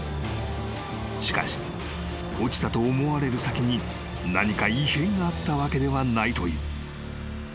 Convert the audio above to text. ［しかし落ちたと思われる先に何か異変があったわけではないという］